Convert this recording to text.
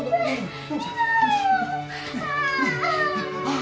あ！